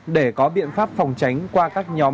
để có biện pháp phòng tránh qua các nhóm